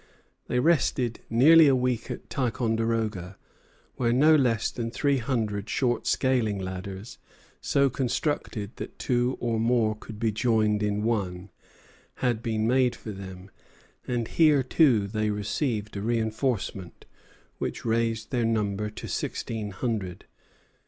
They rested nearly a week at Ticonderoga, where no less than three hundred short scaling ladders, so constructed that two or more could be joined in one, had been made for them; and here, too, they received a reinforcement, which raised their number to sixteen hundred.